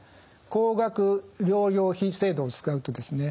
高額療養費制度を使うとですね